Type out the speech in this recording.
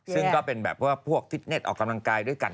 ซึ่งก็เป็นพวกฟิตเนทออกกำลังกายด้วยกัน